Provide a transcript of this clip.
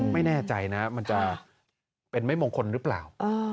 ไม่แน่ใจนะมันจะเป็นไม่มงคลหรือเปล่า